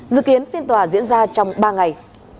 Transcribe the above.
dự kiến phiên tòa diễn ra trong ba ngày